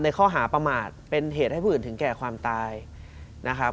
ข้อหาประมาทเป็นเหตุให้ผู้อื่นถึงแก่ความตายนะครับ